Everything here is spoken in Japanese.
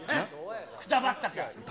くたばったか。